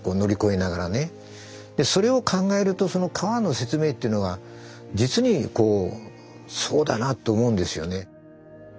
それを考えると川の説明っていうのは実にこうそうだなと思うんですよね。